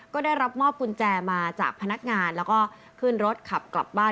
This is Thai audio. ก็ได้รับมอบกุญแจมาจากพนักงานแล้วก็ขึ้นรถขับกลับบ้าน